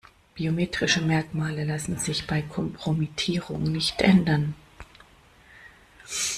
Biometrische Merkmale lassen sich bei Kompromittierung nicht ändern.